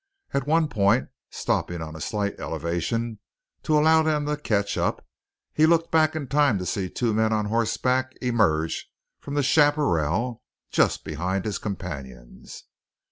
At one point, stopping on a slight elevation to allow them to catch up, he looked back in time to see two men on horseback emerge from the chaparral just behind his companions.